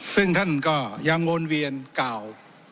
ซึ่งท่านก็ยังวนเวียนกล่าว